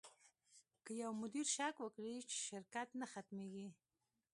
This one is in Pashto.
که یو مدیر شک وکړي، شرکت نه ختمېږي.